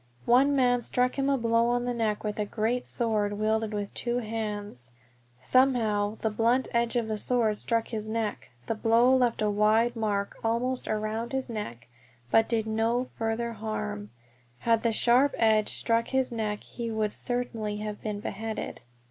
One man struck him a blow on the neck with a great sword wielded with two hands. "Somehow" the blunt edge of the sword struck his neck; the blow left a wide mark almost around his neck, but did no further harm. Had the sharp edge struck his neck he would certainly have been beheaded!